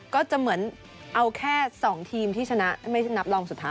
ก็จะเหมือนเอาแค่๒ทีมที่ชนะไม่ใช่นับรองสุดท้าย